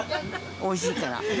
おいしいから。